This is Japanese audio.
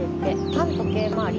反時計回り。